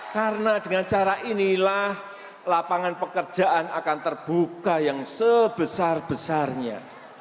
karena dengan cara inilah lapangan pekerjaan akan terbuka yang sebesar besarnya